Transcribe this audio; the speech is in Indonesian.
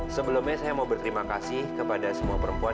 sebelumnya saya mau berterima kasih kepada semua perempuan